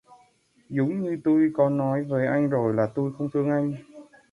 Dúng như tui có nói với anh rồi là tui không thương anh